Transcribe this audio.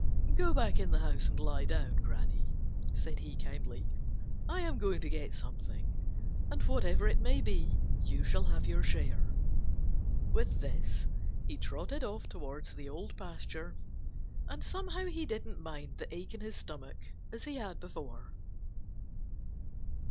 "Go back in the house and lie down, Granny," said he kindly. "I am going to get something, and whatever it may be you shall have your share." With this he trotted off towards the Old Pasture and somehow he didn't mind the ache in his stomach as he had before.